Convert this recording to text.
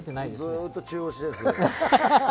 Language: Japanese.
ずっと中腰です。